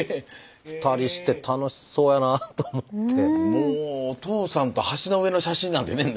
もうお父さんと橋の上の写真なんてね